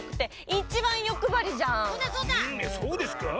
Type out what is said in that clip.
そうですか？